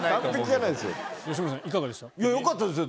よかったですよ！